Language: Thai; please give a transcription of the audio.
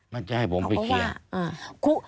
มันจะให้ผมไปเคลียร์